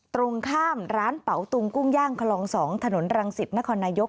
ตรงข้ามร้านเป๋าตุงกุ้งย่างคลอง๒ถนนรังสิตนครนายก